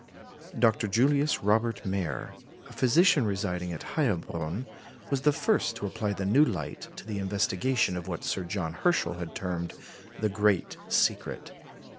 Dr. Julius Robert Mayer, a physician residing at Heilbronn, was the first to apply the new light to the investigation of what Sir John Herschel had termed the "great secret."